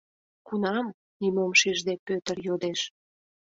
— Кунам? — нимом шижде, Пӧтыр йодеш.